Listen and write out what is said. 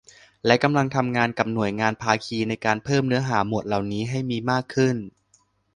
และกำลังทำงานกับหน่วยงานภาคีในการเพิ่มเนื้อหาหมวดเหล่านี้ให้มีมากขึ้น